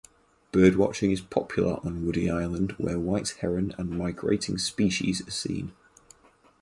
Birdwatching is popular on Woody Island where white heron and migrating species are seen.